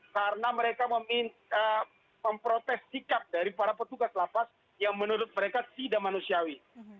karena mereka memprotes sikap dari para petugas lapas yang menurut mereka tidak manusiawi